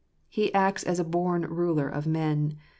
He acts as a born ruler of men.